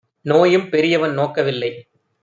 நோயும் பெரியவன் நோக்க வில்லை!